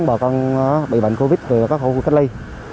bà con bị bệnh covid về các khu cách ly